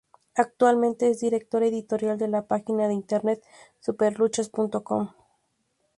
Actualmente es Director Editorial de la página de internet superluchas.com.